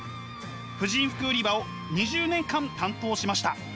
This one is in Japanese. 婦人服売り場を２０年間担当しました。